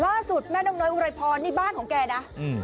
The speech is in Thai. ล่าสุดแม่นกน้อยอุไรพรนี่บ้านของแกนะ